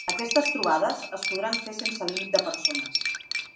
Aquestes trobades es podran fer sense límit de persones.